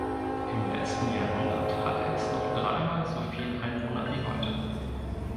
Im letzten Jahrhundert hatte es noch dreimal so viel Einwohner wie heute.